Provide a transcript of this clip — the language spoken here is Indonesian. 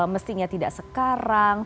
mestinya tidak sekarang